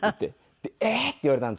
「ええー！」って言われたんですよ。